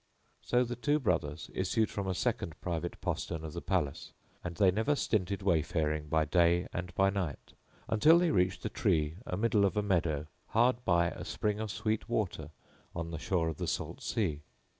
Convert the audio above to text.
So the two brothers issued from a second private postern of the palace; and they never stinted wayfaring by day and by night, until they reached a tree a middle of a meadow hard by a spring of sweet water on the shore of the salt sea.